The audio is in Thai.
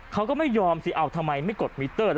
เขาก็ไม่ยอมสิเอาทำไมไม่กดมิเตอร์